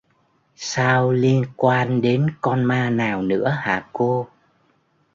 sao liên quan đến con ma nào nữa hả cô